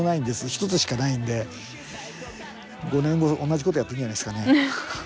一つしかないんで５年後、同じことやっているんじゃないですかね。